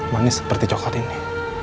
manis seperti coklat ini